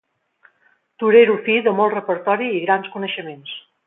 Torero fi, de molt repertori i grans coneixements.